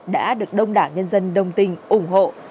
đã được đông đảo nhân dân đồng tình ủng hộ